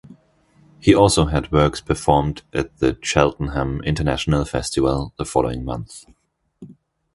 He also had works performed at the Cheltenham International Festival the following month.